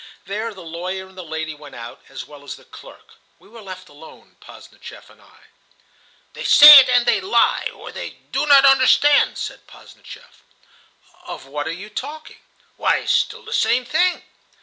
There the lawyer and the lady went out, as well as the clerk. We were left alone, Posdnicheff and I. "They say it, and they lie, or they do not understand," said Posdnicheff. "Of what are you talking?" "Why, still the same thing."